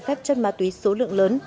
phép chất ma túy số lượng lớn